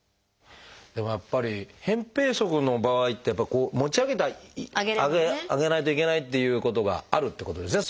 でもやっぱり扁平足の場合って持ち上げてあげないといけないっていうことがあるってことですね。